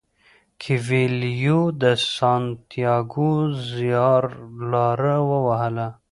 کویلیو د سانتیاګو زیارلاره ووهله.